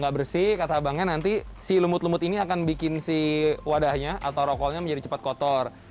gak bersih kata abangnya nanti si lembut lembut ini akan bikin si wadahnya atau rokoknya menjadi cepat kotor